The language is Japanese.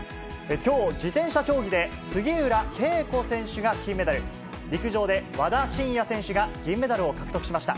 きょう、自転車競技で杉浦佳子選手が金メダル、陸上で和田伸也選手が銀メダルを獲得しました。